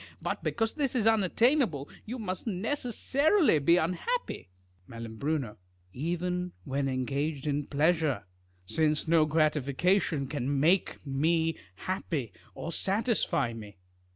Eut because this is unattainable, you must necessarily be unhappy. 3Ial. Even when engaged in pleasure ; since no grati fication can make me happy, or satisfy me.